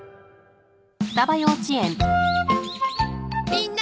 みんな！